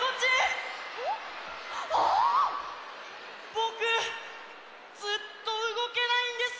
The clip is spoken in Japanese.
ぼくずっとうごけないんです！